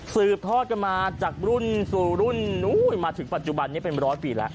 สืบทอดกันมาจากรุ่นสู่รุ่นนู้นมาถึงปัจจุบันนี้เป็นร้อยปีแล้ว